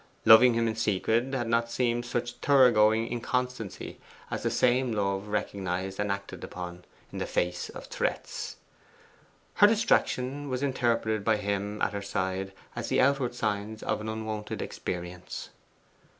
Loving him in secret had not seemed such thorough going inconstancy as the same love recognized and acted upon in the face of threats. Her distraction was interpreted by him at her side as the outward signs of an unwonted experience.